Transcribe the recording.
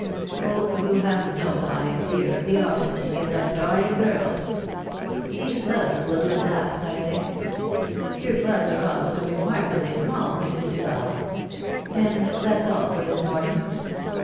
. Oh 1 you have no idea of the obstinacy of that darling girl !..... These .gloves will 4a at at last, I think. ..• ¥our gloves are all so remarkaUy araaH^ Mrs. Duval !..•. And that's all for this morning."